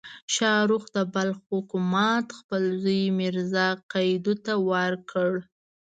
شاهرخ د بلخ حکومت خپل زوی میرزا قیدو ته ورکړ.